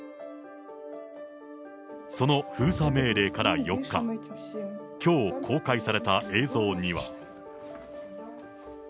その封鎖命令から４日、きょう公開された映像には。